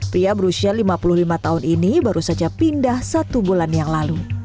pria berusia lima puluh lima tahun ini baru saja pindah satu bulan yang lalu